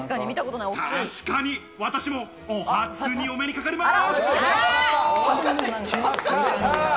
確かに私もおハツにお目にかかります。